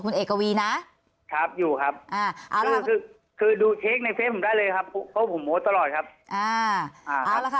คุณเอกวีสนิทกับเจ้าแม็กซ์แค่ไหนคะ